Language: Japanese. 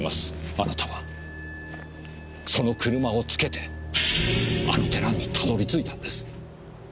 あなたはその車をつけてあの寺にたどり着いたんです。